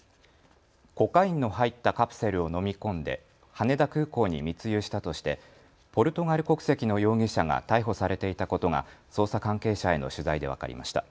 コカインの入ったカプセルを飲み込んで羽田空港に密輸したとしてポルトガル国籍の容疑者が逮捕されていたことが捜査関係者への取材で分かりました。